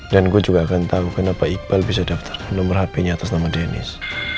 dan gue juga akan tau kenapa iqbal bisa daftar nomor hpnya atas nama dennis